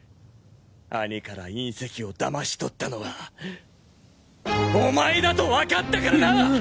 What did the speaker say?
兄から隕石を騙し取ったのはお前だとわかったからな！